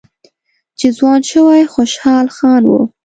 چې ځوان شوی خوشحال خان و